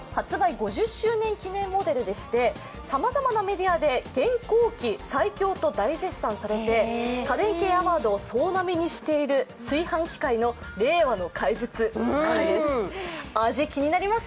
５０周年モデルでしてさまざまなメディアで現行機最強と大絶賛されて家電系アワードを総なめにしている炊飯器界の令和の怪物なんです。